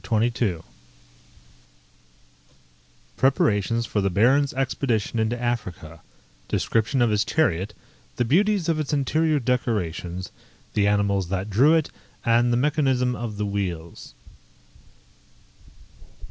CHAPTER XXII _Preparations for the Baron's expedition into Africa Description of his chariot; the beauties of its interior decorations; the animals that drew it, and the mechanism of the wheels.